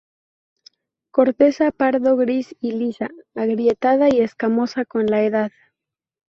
Corteza pardo gris y lisa, agrietada y escamosa con la edad.